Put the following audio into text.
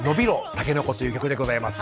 タケノコ！」という曲でございます。